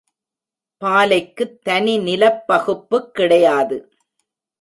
பாலைக்குத் தனி நிலப்பகுப்புக் கிடையாது.